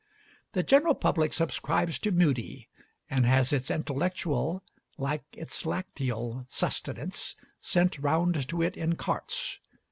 The general public subscribes to Mudie, and has its intellectual, like its lacteal sustenance, sent round to it in carts.